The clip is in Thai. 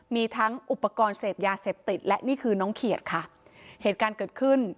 มีทั้งอุปกรณ์เสพยาเสพติดและนี่คือน้องเขียดค่ะเหตุการณ์เกิดขึ้น